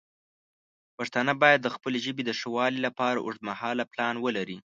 پښتانه باید د خپلې ژبې د ښه والی لپاره اوږدمهاله پلان ولري.